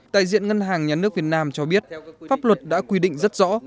tại diện ngân hàng nhà nước việt nam cho biết pháp luật đã quy định rất rõ